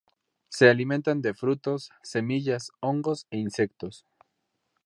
Se alimentan de frutos, semillas, hongos e insectos.